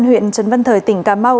huyện trấn văn thời tỉnh cà mau